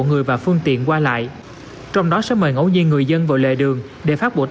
người và phương tiện qua lại trong đó sẽ mời ngẫu nhiên người dân vào lề đường để phát bộ